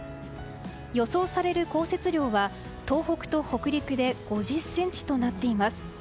予想される降雪量は東北と北陸で５０ｃｍとなっています。